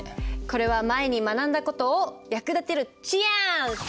これは前に学んだ事を役立てるチャンス！